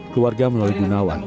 keluarga melayu gunawan